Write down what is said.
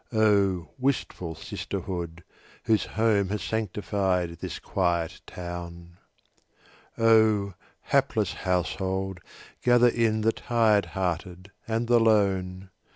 Oh, wistful sisterhood, whose home Has sanctified this quiet town! Oh, hapless household, gather in The tired hearted and the lone!